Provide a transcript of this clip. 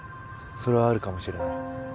それはあるかもしれない。